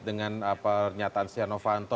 dengan apa pernyataan stiano vanto